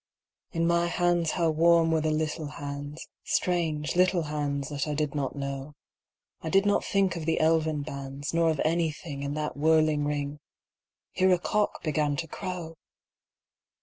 In my hands how warm were the little hands, Strange, little hands that I did not know:I did not think of the elvan bands, Nor of anythingIn that whirling ring—Here a cock began to crow!